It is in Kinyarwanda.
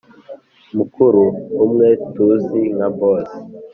mukuru(umwe tuzi nka boss)